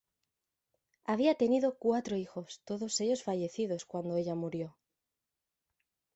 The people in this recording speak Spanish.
Había tenido cuatro hijos, todos ellos fallecidos cuando ella murió.